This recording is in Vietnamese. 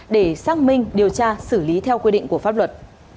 để xác minh điều tra xử lý theo quy định của pháp luật